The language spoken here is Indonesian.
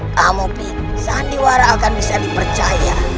kamu pikir sandiwara akan bisa dipercaya